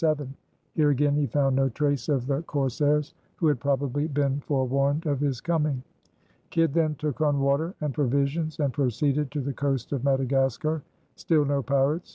Here again he found no trace of the corsairs, who had probably been forewarned of his coming. Kidd then took on water and provisions and proceeded to the coast of Madagascar. Still no pirates.